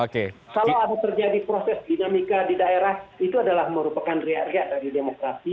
kalau ada terjadi proses dinamika di daerah itu adalah merupakan ria ria dari demokrasi